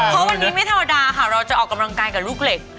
เพราะวันนี้ไม่ธรรมดาค่ะเราจะออกกำลังกายกับลูกเหล็ก